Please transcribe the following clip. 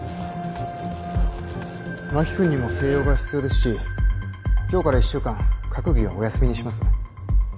真木君にも静養が必要ですし今日から１週間閣議はお休みにします。